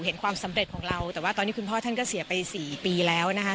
เห็นความสำเร็จของเราแต่ว่าตอนนี้คุณพ่อท่านก็เสียไป๔ปีแล้วนะคะ